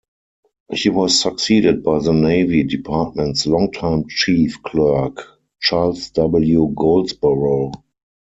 He was succeeded by the Navy Department's long-time chief clerk, Charles W. Goldsborough.